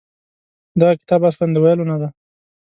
دغه کتاب اصلاً د ویلو نه دی.